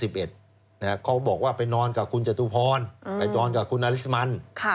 เขาบอกว่าไปนอนกับคุณจตุพรไปนอนกับคุณนาริสมัน